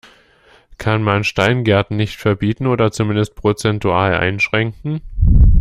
Kann man Steingärten nicht verbieten, oder zumindest prozentual einschränken?